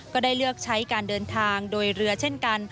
ก็ได้เลือกใช้การเดินทางโดยเรือเช่นกัน